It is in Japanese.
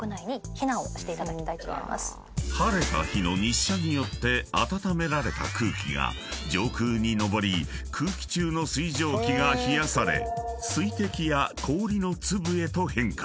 ［晴れた日の日射によって暖められた空気が上空に上り空気中の水蒸気が冷やされ水滴や氷の粒へと変化］